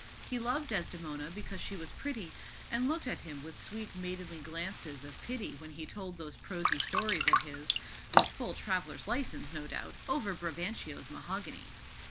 He loved Desdemona because she was pretty, and looked at him with sweet maidenly glances of pity when he told those prosy stories of his—with full traveller's license, no doubt—over Brabantio's mahogany.